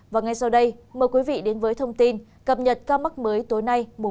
và ngay sau đây mời quý vị đến với thông tin cập nhật ca mắc mới tối nay sáu một mươi hai